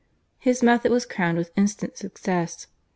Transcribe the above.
His method was crowned with instant success.